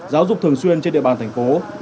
giáo dục thường xuyên trên địa bàn thành phố